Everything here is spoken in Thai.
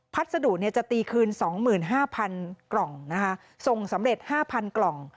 พัสดุจะตีคืน๒๕๐๐๐กล่องนะคะส่งสำเร็จ๕๐๐กล่อง